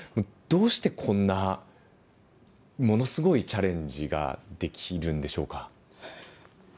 どうしてこんなものすごいチャレンジができるんでしょうか？